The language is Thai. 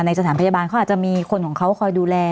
สถานพยาบาลเขาอาจจะมีคนของเขาคอยดูแล